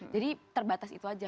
jadi terbatas itu aja